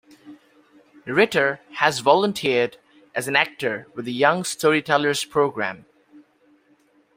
Ritter has volunteered as an actor with the Young Storytellers Program.